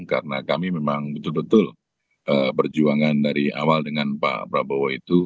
karena kami memang betul betul berjuangan dari awal dengan pak prabowo itu